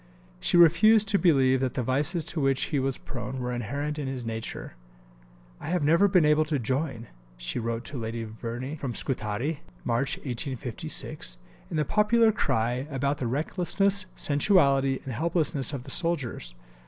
She refused to believe that the vices to which he was prone were inherent in his nature. "I have never been able to join," she wrote to Lady Verney from Scutari (March 1856), "in the popular cry about the recklessness, sensuality, and helplessness of the soldiers.